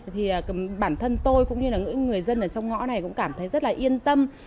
thì bản thân tôi cũng như là người dân ở trong ngõ này cũng cảm thấy rất là yên tâm